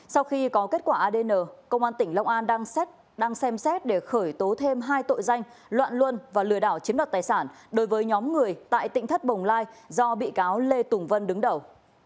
sau khi có kết quả adn công an tỉnh long an đang xem xét để khởi tố thêm hai tội danh loạn luân và lừa đảo chiếm đoạt tài sản đối với nhóm người tại tỉnh thất bồng lai do bị cáo lê tùng vân đứng đầu